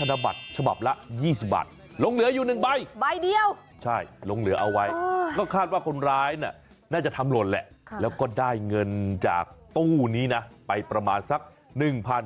ธนบัตรฉบับละ๒๐บาทลงเหลืออยู่๑ใบใบเดียวใช่ลงเหลือเอาไว้ก็คาดว่าคนร้ายเนี่ยน่าจะทำหล่นแหละแล้วก็ได้เงินจากตู้นี้นะไปประมาณสัก๑๔๐๐